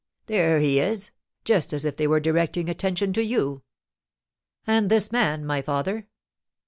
There he is!' just as if they were directing attention to you." "And this man, my father?"